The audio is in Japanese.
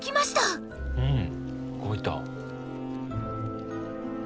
うん動いた。